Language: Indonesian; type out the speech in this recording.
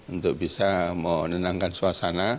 untuk bisa menenangkan suasana